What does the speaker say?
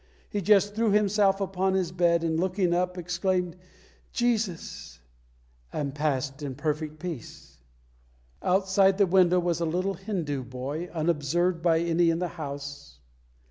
He just threw himself upon his bed, and looking up, exclaimed, "Jesus!" and passed in perfect peace. Outside the window was a little Hindu boy, unobserved by any in the house.